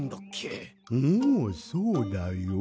うんそうだよ。